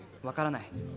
分からない